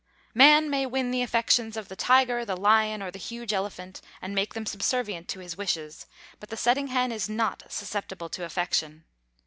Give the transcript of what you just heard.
Man may win the affections of the tiger, the lion, or the huge elephant, and make them subservient to his wishes, but the setting hen is not susceptible to affection.